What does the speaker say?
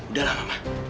udah lah mama